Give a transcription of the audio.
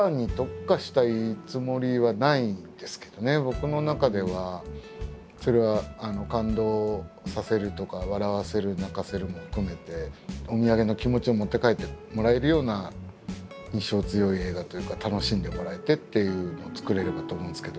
僕の中ではそれは感動させるとか笑わせる泣かせるも含めてお土産の気持ちを持って帰ってもらえるような印象強い映画というか楽しんでもらえてっていうのを作れればと思うんですけど。